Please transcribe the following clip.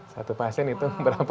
satu pasien itu berapa